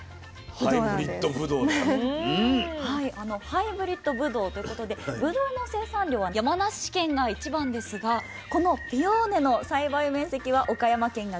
ハイブリッドぶどうということでぶどうの生産量は山梨県が一番ですがこのピオーネの栽培面積は岡山県が全国１位。